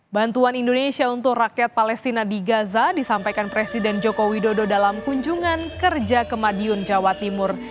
bantuan indonesia untuk rakyat palestina di gaza disampaikan presiden joko widodo dalam kunjungan kerja ke madiun jawa timur